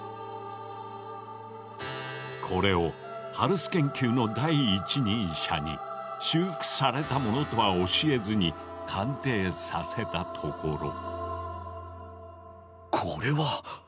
これをハルス研究の第一人者に修復されたものとは教えずに鑑定させたところ。